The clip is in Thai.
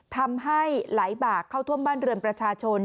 ทำให้ไหลบากเข้าท่วมบ้านเรือนประชาชน